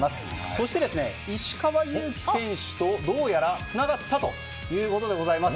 そして、石川祐希選手とどうやらつながったということです。